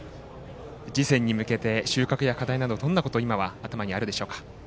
次戦に向けて収穫や課題など今、どんなことが頭にあるでしょうか？